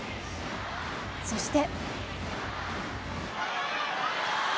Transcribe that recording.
そして。